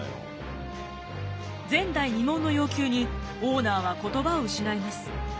前代未聞の要求にオーナーは言葉を失います。